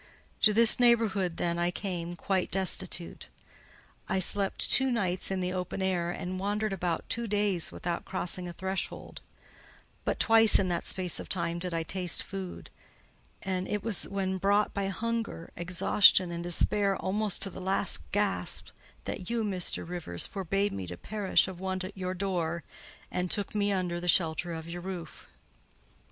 To this neighbourhood, then, I came, quite destitute. I slept two nights in the open air, and wandered about two days without crossing a threshold: but twice in that space of time did I taste food; and it was when brought by hunger, exhaustion, and despair almost to the last gasp, that you, Mr. Rivers, forbade me to perish of want at your door, and took me under the shelter of your roof.